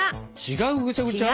違うぐちゃぐちゃ？